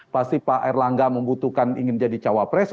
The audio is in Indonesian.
pasti pak erlangga membutuhkan ingin jadi cawapres